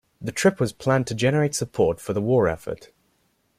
The trip was planned to generate support for the war-effort.